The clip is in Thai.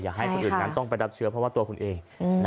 ให้คนอื่นนั้นต้องไปรับเชื้อเพราะว่าตัวคุณเอง